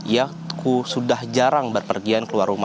ya sudah jarang berpergian keluar rumah